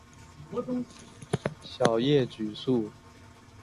小叶榉树